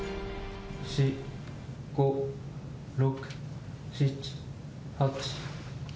４、５、６、７、８、９。